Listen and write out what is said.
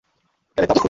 Caleb, থামো!